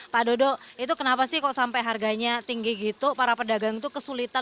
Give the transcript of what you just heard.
pak dodo itu kenapa sih kok sampai harganya tinggi gitu para pedagang itu kesulitan